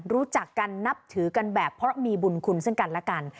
รู้จักกันนับถือกันแบบเพราะมีบุญคุณซึ่งกันและกัน